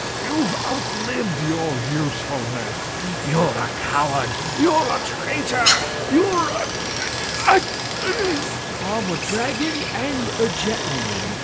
"You've outlived your usefulness! You're a coward! You're a traitor! You're a a a " "I'm a dragon and a gentleman!"